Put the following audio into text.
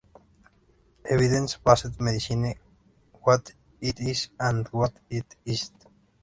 Evidence based medicine: what it is and what it isn't.